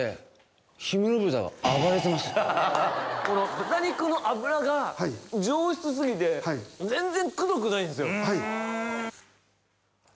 豚肉の脂が上質過ぎて全然くどくないんですよ。